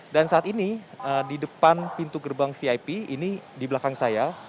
dan saat ini di depan pintu gerbang vip ini di belakang saya